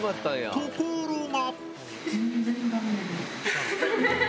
ところが。